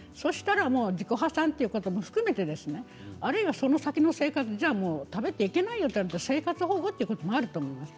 自己破産ということも含めてあるいは、その先の生活食べていけないよとなったら生活保護ということもあると思います。